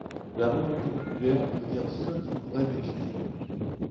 La volonté populaire devient seule souveraine légitime.